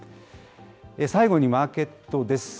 最後にマーケットです。